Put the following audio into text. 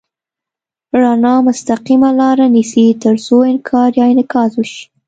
رڼا مستقیمه لاره نیسي تر څو انکسار یا انعکاس وشي.